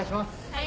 はい。